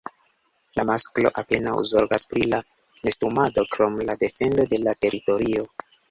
La masklo apenaŭ zorgas pri la nestumado krom la defendo de la teritorio.